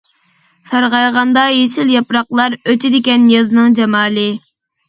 سارغايغاندا يېشىل ياپراقلار، ئۆچىدىكەن يازنىڭ جامالى.